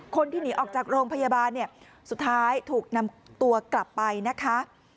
คนที่หนีออกจากโรงพยาบาลเนี่ยสุดท้ายถูกนำตัวกลับไปนะคะ